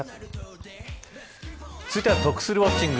続いては得するウォッチング！